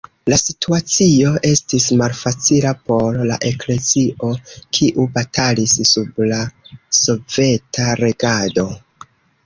La situacio estis malfacila por la eklezio, kiu batalis sub la soveta regado.